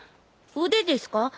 腕ですか？